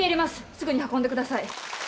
すぐに運んでください」